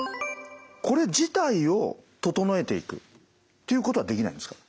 これ自体を整えていくっていうことはできないんですか？